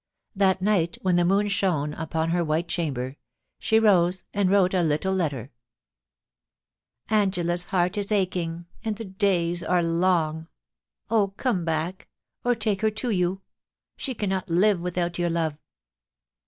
Thai night when the moon shone upon her white chamber, she rose and wrote a little letter :' Angela's heart is aching, and the days are long. Oh, come back, or take her to you ! She cannot live without your love.'